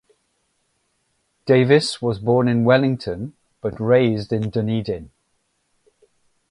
Davies was born in Wellington but raised in Dunedin.